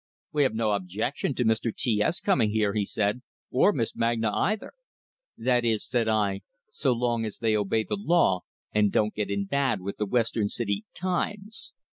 "We have no objection to Mr. T S coming here," he said, "or Miss Magna either." "That is," said I, "so long as they obey the law, and don't get in bad with the Western City 'Times'!"